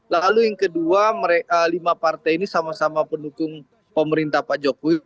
lalu yang kedua lima partai ini sama sama pendukung pemerintah pak jokowi